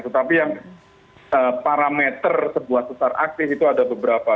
tetapi yang parameter sebuah sesar aktif itu ada beberapa